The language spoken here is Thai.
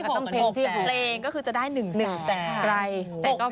สวัสดีค่ะสวัสดีค่ะ